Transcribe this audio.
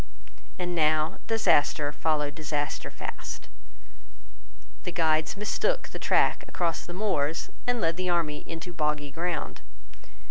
And now disaster followed disaster fast. The guides mistook the track across the moors, and led the army into boggy ground.